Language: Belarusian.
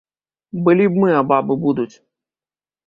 Былі б мы, а бабы будуць!